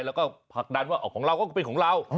แล้วก็ผลักดันว่าของเราก็คือเป็นของเรา